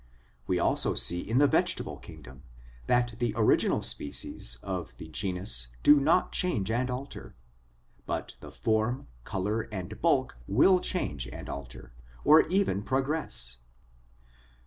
We also see in the vegetable kingdom that the original species of the genus do not change and alter, but the form, colour, and bulk will change and alter, or even progress.